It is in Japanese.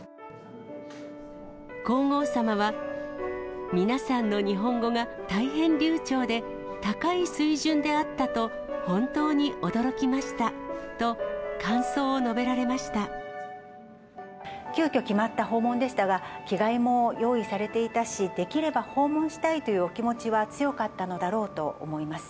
皇后さまは、皆さんの日本語が大変流ちょうで、高い水準であったと、本当に驚きましたと、急きょ決まった訪問でしたが、着替えも用意されていたし、できれば訪問したいというお気持ちは強かったのだろうと思います。